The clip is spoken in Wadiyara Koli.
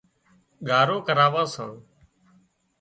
ڳارو ڪراوان سان